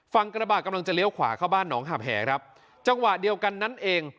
กระบาดกำลังจะเลี้ยวขวาเข้าบ้านหนองหาบแหครับจังหวะเดียวกันนั้นเอง